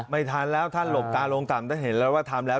ไม่ทันแล้วถ้าหลบตาลงต่ำถ้าเห็นแล้วว่าทำแล้ว